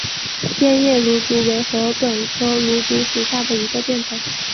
变叶芦竹为禾本科芦竹属下的一个变种。